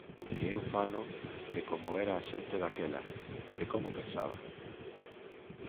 E eu falo de como era a xente daquela, de como pensaba.